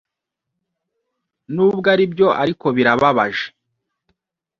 Nubwo aribyo ariko birababaje